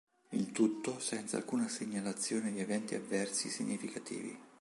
Il tutto senza alcuna segnalazione di eventi avversi significativi.